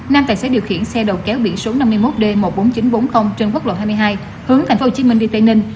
nam tài xế điều khiển xe đầu kéo biển số năm mươi một d một mươi bốn nghìn chín trăm bốn mươi trên quốc lộ hai mươi hai hướng tp hcm đi tây ninh